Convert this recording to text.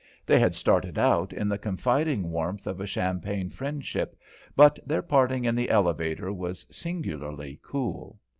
They had started out in the confiding warmth of a champagne friendship, but their parting in the elevator was singularly cool.